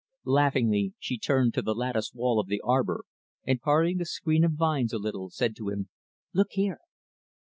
Laughingly, she turned to the lattice wall of the arbor, and parting the screen of vines a little, said to him, "Look here!"